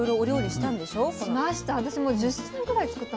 しました。